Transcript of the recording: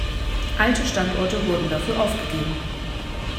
Alte Standorte wurden dafür aufgegeben.